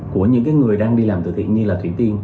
của những người đang đi làm từ thiện như là thủy tiên